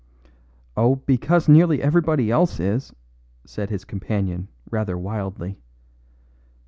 "Oh, because nearly everybody else is," said his companion rather wildly.